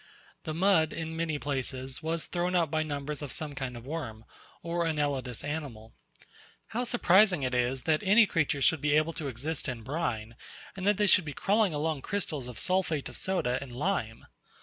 The mud in many places was thrown up by numbers of some kind of worm, or annelidous animal. How surprising it is that any creatures should be able to exist in brine, and that they should be crawling among crystals of sulphate of soda and lime!